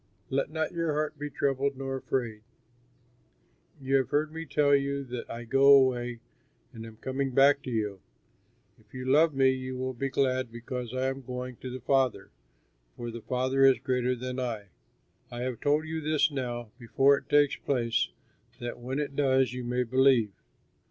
Let not your heart be troubled nor afraid. You have heard me tell you that I go away and am coming back to you. If you love me you will be glad because I am going to the Father, for the Father is greater than I. I have told you this now, before it takes place, that when it does you may believe.